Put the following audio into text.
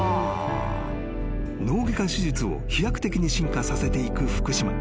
［脳外科手術を飛躍的に進化させていく福島］